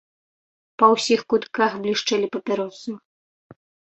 Па ўсіх кутках блішчэлі папяросы.